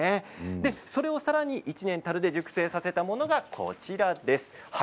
それをさらに１年たるで熟成させたものがこちらです。